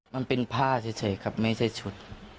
มันเป็นผ้าเฉยครับไม่ใช่ชุด